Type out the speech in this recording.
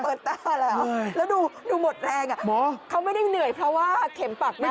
เปิดตาแล้วแล้วดูหมดแรงเขาไม่ได้เหนื่อยเพราะว่าเข็มปากนั้น